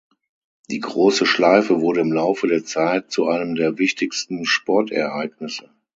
Die „große Schleife“ wurde im Laufe der Zeit zu einem der wichtigsten Sportereignisse.